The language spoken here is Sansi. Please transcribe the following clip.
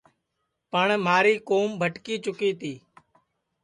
پٹؔ مہاری کُوم بھٹکی چُکی تی